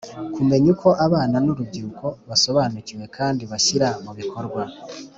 Kumenya uko abana n’urubyiruko basobanukiwe kandi bashyira mu bikorwa